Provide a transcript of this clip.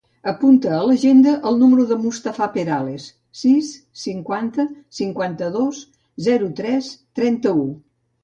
Apunta a l'agenda el número del Mustafa Perales: sis, cinquanta, cinquanta-dos, zero, tres, trenta-u.